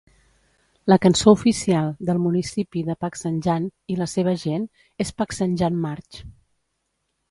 La cançó oficial del Municipi de Pagsanjan i la seva gent és "Pagsanjan March".